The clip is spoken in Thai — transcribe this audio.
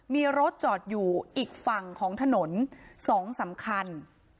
มีรถจอดอยู่อีกฝั่งของถนน๒สำคัญ